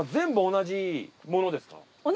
同じものです。